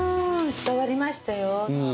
伝わりましたよ